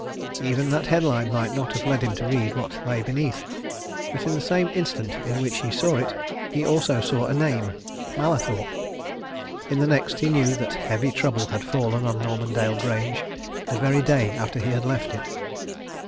Even that headline might not have led him to read what lay beneath. But in the same instant in which he saw it he also saw a name Mallathorpe. In the next he knew that heavy trouble had fallen on Normandale Grange, the very day after he had left it.